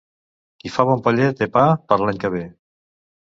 Qui fa bon paller té pa per l'any que ve.